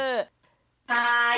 はい。